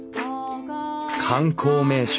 観光名所